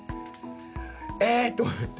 えっと思って。